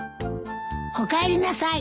おかえりなさい。